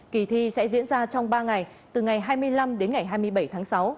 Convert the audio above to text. kỳ thi sẽ diễn ra trong ba ngày từ ngày hai mươi năm đến ngày hai mươi bảy tháng sáu